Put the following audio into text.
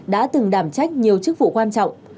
đã từng đàm trách nhiều chức vụ quan trọng